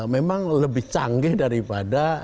memang lebih canggih daripada